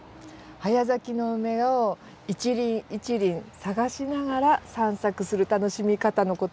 早咲きのウメを一輪一輪探しながら散策する楽しみ方のことです。